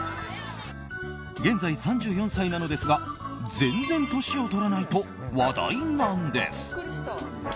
現在３４歳なのですが全然年を取らないと話題なんです。